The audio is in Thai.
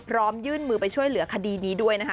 ยื่นมือไปช่วยเหลือคดีนี้ด้วยนะคะ